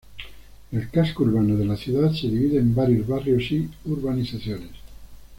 El casco urbano de la ciudad se divide en varios barrios y urbanizaciones.